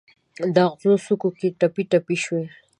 د اغزو څوکو کې ټپي، ټپي شوي